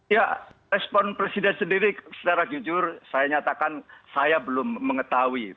ya respon presiden sendiri secara jujur saya nyatakan saya belum mengetahui